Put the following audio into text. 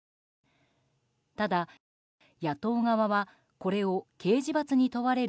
ただ、野党側はこれを刑事罰に問われる